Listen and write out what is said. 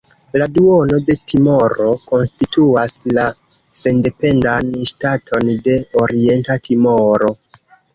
La duono de Timoro konstituas la sendependan ŝtaton de Orienta Timoro.